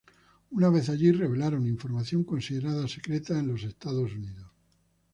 Una vez allí revelaron información considerada secreta en Estados Unidos.